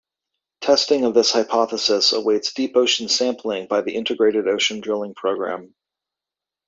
Testing of this hypothesis awaits deep ocean sampling by the Integrated Ocean Drilling Program.